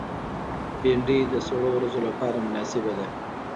بېنډۍ د سړو ورځو لپاره مناسبه ده